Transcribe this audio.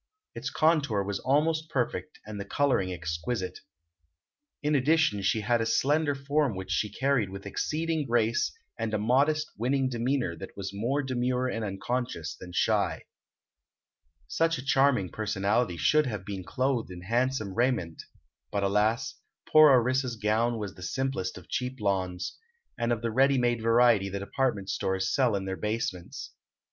Its contour was almost perfect and the coloring exquisite. In addition she had a slender form which she carried with exceeding grace and a modest, winning demeanor that was more demure and unconscious than shy. Such a charming personality should have been clothed in handsome raiment; but, alas, poor Orissa's gown was the simplest of cheap lawns, and of the ready made variety the department stores sell in their basements.